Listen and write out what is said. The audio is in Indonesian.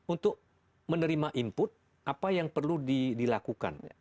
untuk menerima input apa yang perlu dilakukan